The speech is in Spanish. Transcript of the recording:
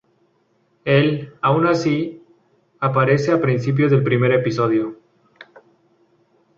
Él, aun así, aparece a principio del primer episodio.